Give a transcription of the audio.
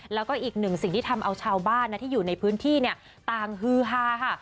แล้วก็อีกหนึ่งสิ่งที่ทำเอาชาวบ้านที่อยู่ในพื้นที่เนี่ยต่างฮือฮาค่ะ